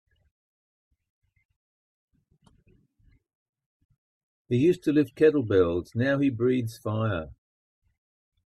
He used to lift kettlebells now he breathes fire.